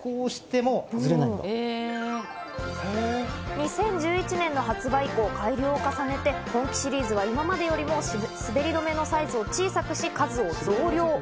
２０１１年の発売以降、改良を重ねて今季シリーズは今までよりも滑り止めのサイズを小さくし数を増量。